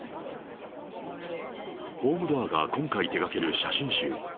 ホームドアが今回手がける写真集。